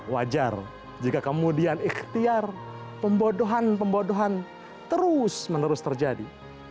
wajar jika kemudian ikhtiar pembodohan pembodohan terus menerus terjadi